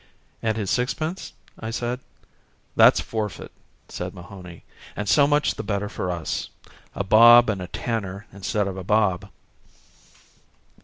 "And his sixpence...?" I said. "That's forfeit," said Mahony. "And so much the better for us—a bob and a tanner instead of a bob."